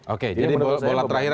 oke jadi bola terakhir